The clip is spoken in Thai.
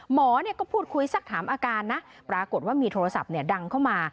หมอก็พูดคุยสักถามอาการนะปรากฏว่ามีโทรศัพท์ดังเข้ามา